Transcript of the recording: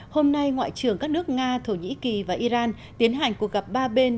hôm nay ngoại trưởng các nước nga thổ nhĩ kỳ và iran tiến hành cuộc gặp ba bên